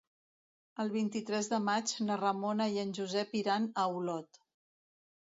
El vint-i-tres de maig na Ramona i en Josep iran a Olot.